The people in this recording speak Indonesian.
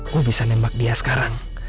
gue bisa nembak dia sekarang